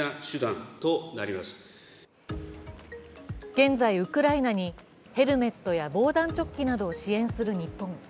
現在、ウクライナにヘルメットや防弾チョッキなどを支援する日本。